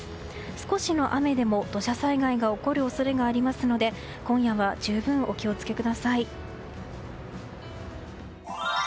少しの雨でも土砂災害が起こる可能性がありますので今夜は、十分お気を付けください。